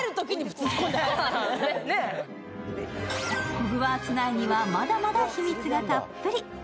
ホグワーツ内にはまだまだ秘密がたっぷり。